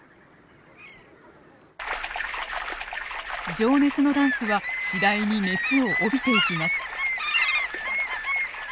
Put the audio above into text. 情熱のダンスは次第に熱を帯びていきます。